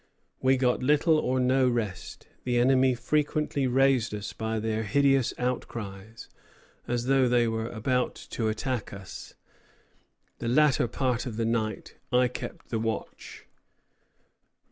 We got little or no rest; the enemy frequently raised us by their hideous outcries, as though they were about to attack us. The latter part of the night I kept the watch."